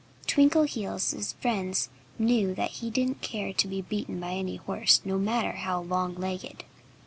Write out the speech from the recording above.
Twinkleheels' friends knew that he didn't care to be beaten by any horse, no matter how long legged.